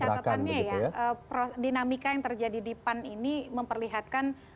catatannya ya dinamika yang terjadi di pan ini memperlihatkan